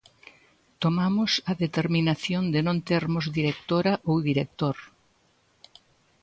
Tomamos a determinación de non termos directora ou director.